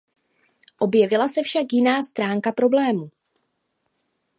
Objevila se však jiná stránka problému.